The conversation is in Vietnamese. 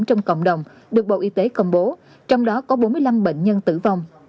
trong cộng đồng được bộ y tế công bố trong đó có bốn mươi năm bệnh nhân tử vong